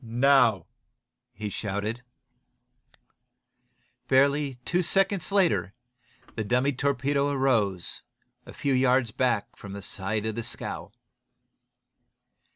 "Now!" he shouted. Barely two seconds later the second dummy torpedo rose, a few yards back from the side of the scow.